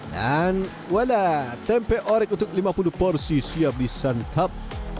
dan wadah tempe orek untuk lima puluh porsi siap disantap